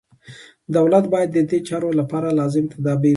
دولت باید ددې چارو لپاره لازم تدابیر ونیسي.